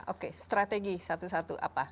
oke strategi satu satu apa